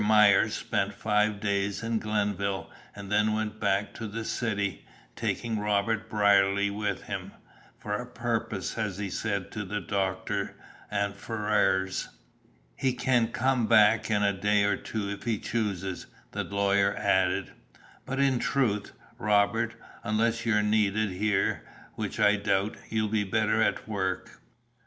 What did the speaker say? Myers spent five days in Glenville, and then went back to the city, taking Robert Brierly with him, "for a purpose," as he said to the doctor and Ferrars. "He can come back in a day or two if he chooses," the lawyer added, "but in truth, Robert, unless you're needed here, which I doubt, you'll be better at work.